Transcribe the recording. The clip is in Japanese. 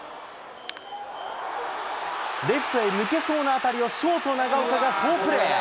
レフトへ抜けそうな当たりをショート、長岡が好プレー。